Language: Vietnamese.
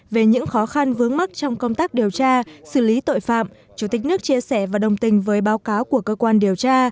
về những khó khăn vướng mắt trong công tác điều tra xử lý tội phạm chủ tịch nước chia sẻ và đồng tình với báo cáo của cơ quan điều tra